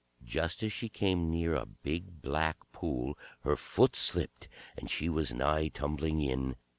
Just as she came near a big black pool her foot slipped and she was nigh tumbling in.